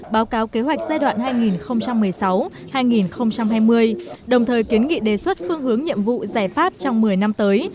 báo cáo kế hoạch giai đoạn hai nghìn một mươi sáu hai nghìn hai mươi đồng thời kiến nghị đề xuất phương hướng nhiệm vụ giải pháp trong một mươi năm tới